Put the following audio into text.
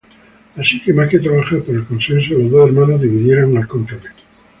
Así que más que trabajar por el consenso, los dos hermanos dividieron al cónclave.